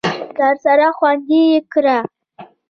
درسره خوندي یې کړه !